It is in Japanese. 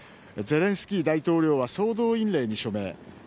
ゼレンスキー大統領は総動員令に署名。